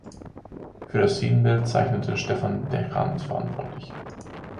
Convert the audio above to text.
Für das Szenenbild zeichnete Stefan Dechant verantwortlich.